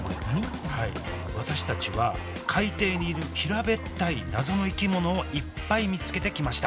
はい私たちは海底にいる平べったい謎の生き物をいっぱい見つけてきました。